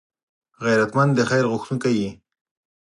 غیرتمند د خیر غوښتونکی وي